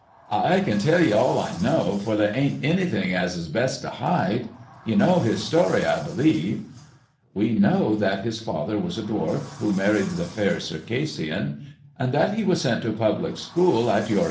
"I can tell ye all I know, for there ain't anything as is best to hide. You know his story, I b'lieve ?"" We know that his father was a dwarf, who married the Fair Circassian, and that he was sent to a public school at '* First, lord uid doctor